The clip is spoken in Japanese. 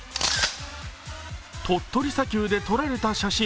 鳥取砂丘で撮られた写真。